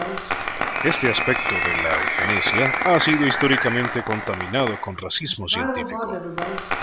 Este aspecto de la eugenesia ha sido históricamente contaminado con racismo científico.